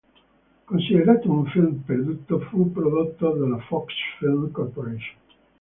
Considerato un film perduto, fu prodotto dalla Fox Film Corporation.